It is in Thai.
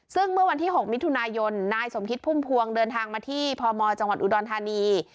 ซึ่งเมื่อวันที่๖มิยนสมคิดพุ่มพวงเดินทางมาที่พมจอุดรณฑานี